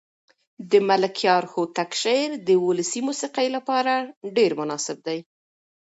د ملکیار هوتک شعر د ولسي موسیقۍ لپاره ډېر مناسب دی.